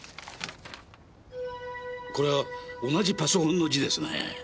これは同じパソコンの字ですねえ。